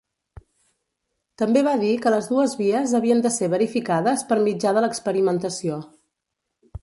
També va dir que les dues vies havien de ser verificades per mitjà de l'experimentació.